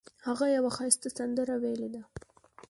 هغه یوه ښایسته سندره ویلې ده